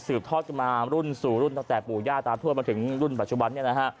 สืบทอดมารุ่นสู่รุ่นตั้งแต่ปู่ย่าตามทั่วมาถึงรุ่นปัจจุบันนี้